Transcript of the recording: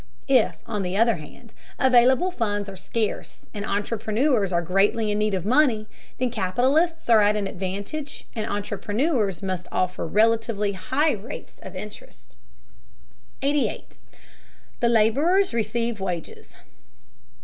If, on the other hand, available funds are scarce and entrepreneurs are greatly in need of money, then capitalists are at an advantage and entrepreneurs must offer relatively high rates of interest. 88. THE LABORERS RECEIVE WAGES.